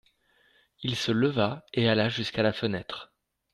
Il se leva et alla jusqu’à la fenêtre.